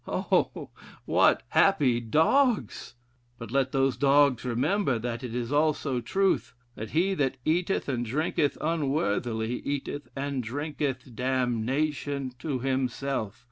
O what happy dogs! But let those dogs remember, that it is also truth, that 'He that eateth and drinketh unworthily, eateth and drinketh damnation to himself.'